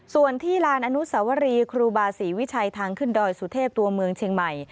ส่วนที่ลานอนุสวรีครูบาศรีวิชัยทางขึ้นดอยสุเทพตัวเมืองเชียงใหม่